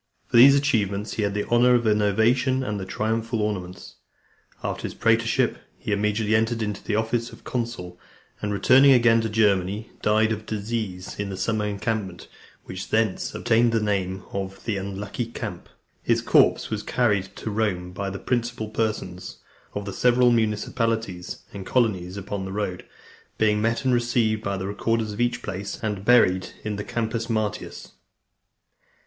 For these achievements he had the honour of an ovation, and the triumphal ornaments. After his praetorship, he immediately entered on the office of consul, and returning again to Germany, died of disease, in the summer encampment, which thence obtained the name of "The Unlucky Camp." His corpse was carried to Rome by the principal persons of the several municipalities and colonies upon the road, being met and received by the recorders of each place, and buried in the Campus Martius.